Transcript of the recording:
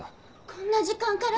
こんな時間から？